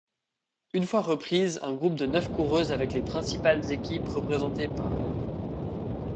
Une fois reprise, un groupe de neuf coureuses avec les principales équipes représentées part.